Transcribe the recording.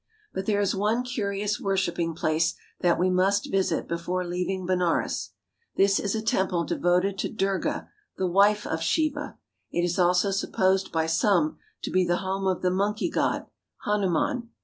But there is one curious worshiping place that we must visit before leaving Benares. This is a temple devoted to Durga, the wife of Shiva. It is also supposed by some to be the home of the monkey god, Hanuman.